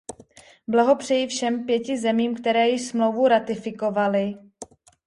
Blahopřeji všem pěti zemím, které již smlouvu ratifikovaly.